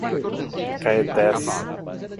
Caetés